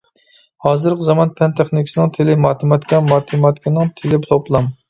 ھازىرقى زامان پەن-تېخنىكىسىنىڭ تىلى ماتېماتىكا، ماتېماتىكىنىڭ تىلى توپلام.